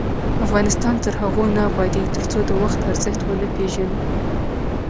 افغانستان تر هغو نه ابادیږي، ترڅو د وخت ارزښت ونه پیژنو.